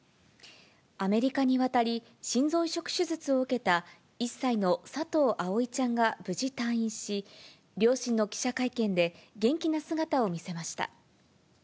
アメリカに渡り、心臓移植手術を受けた１歳の佐藤葵ちゃんが無事退院し、両親の記者会見で元気な姿を見せました。